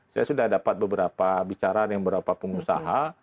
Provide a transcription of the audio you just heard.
saya sudah dapat beberapa bicara dengan beberapa pengusaha